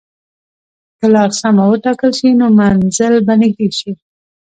که لار سمه وټاکل شي، نو منزل به نږدې شي.